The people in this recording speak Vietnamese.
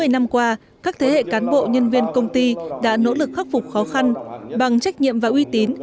hai mươi năm qua các thế hệ cán bộ nhân viên công ty đã nỗ lực khắc phục khó khăn bằng trách nhiệm và uy tín